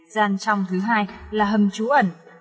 gian trong thứ hai là hầm trú ẩn